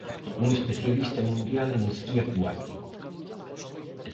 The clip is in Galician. Un especialista mundial en esquí acuático.